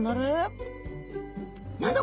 何だ？